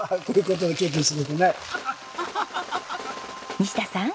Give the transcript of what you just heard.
西田さん。